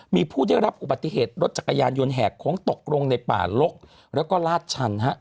มีผู้ได้รับอุบัติเหตุรถจักรยานยนต์แหกโค้งตกลงในป่าลกแล้วก็ลาดชัน